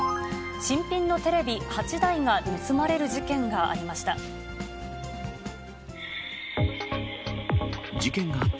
新品のテレビ８台が盗まれる事件がありました。